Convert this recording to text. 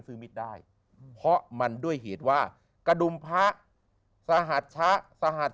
มันซื้อมิตรได้เพราะมันด้วยเหตุว่ากระดุมพระสหรัฐชะสหรัฐ